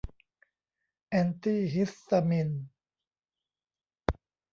แอนตี้ฮิสตามีน